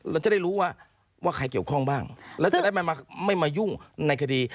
แล้วจะได้รู้ว่าใครเกี่ยวข้องบ้างแล้วจะได้ไม่มายุ่งในคดี